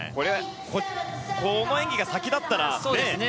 この演技が先だったらと。